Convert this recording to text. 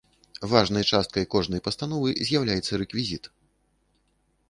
Важнай часткай кожнай пастановы з'яўляецца рэквізіт.